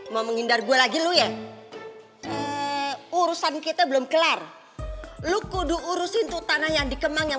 mau menghindar gue lagi lu ya urusan kita belum kelar lu kudu urusin tutananya di kemang yang